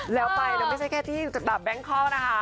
แล้วไปไม่ใช่แค่ที่แบบแบงค์คลอคนะคะ